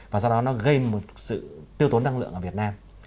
và do đó nó gây một sự tiêu tốn năng lượng ở việt nam